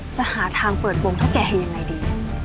จะหาทางเปิดวงเท่าแก่ให้ยังไงดี